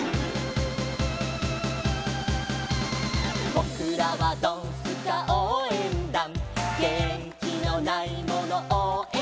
「ぼくらはドンスカおうえんだん」「げんきのないものおうえんだ！！」